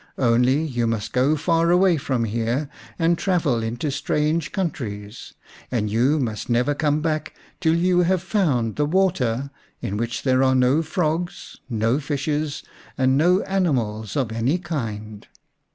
Only you must go far away from here and travel into strange countries, and you must never come back till you have found the water in which there are no frogs, no fishes, and no animals of any kind.